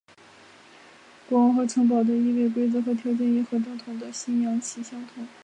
国王和城堡的易位规则和条件也和正统的西洋棋相同。